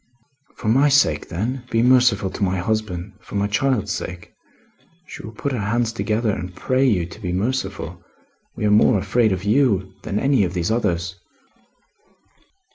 "For my sake, then, be merciful to my husband. For my child's sake! She will put her hands together and pray you to be merciful. We are more afraid of you than of these others."